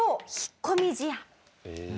へえ。